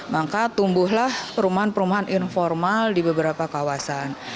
maka tumbuhlah perumahan perumahan informal di beberapa kawasan